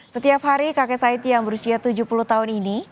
setiap hari kakek saiti yang berusia tujuh puluh tahun ini